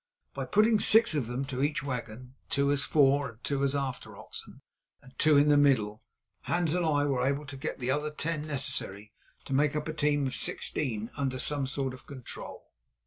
By putting six of them to each wagon, two as fore and two as after oxen, and two in the middle, Hans and I were able to get the other ten necessary to make up a team of sixteen under some sort of control.